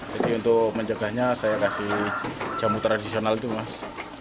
jadi untuk mencegahnya saya kasih jamu tradisional itu mas